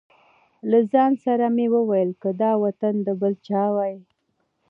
له ځان سره مې وویل که دا وطن د بل چا وای.